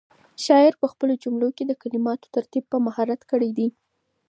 شاعر په خپلو جملو کې د کلماتو ترتیب په مهارت کړی دی.